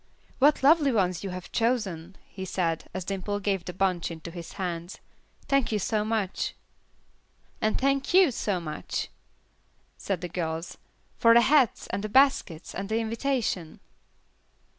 "What lovely ones you have chosen," he said, as Dimple gave the bunch into his hands. "Thank you so much." "And thank you, so much," said the girls, "for the hats, and the baskets, and the invitation."